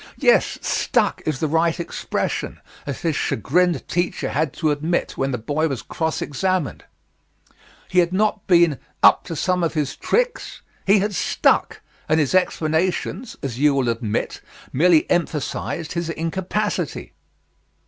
Yes, stuck is the right expression, as his chagrined teacher had to admit when the boy was cross examined. He had not been "up to some of his tricks;" he had stuck, and his explanations, as you will admit, merely emphasized his incapacity.